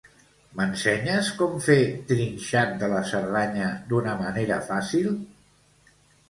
M'ensenyes com fer trinxat de la Cerdanya d'una manera fàcil?